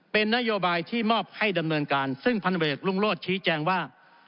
เป็นนโยบายที่มอบให้ดำเนินการซึ่งพันเวกรุงโรธชี้แจงว่า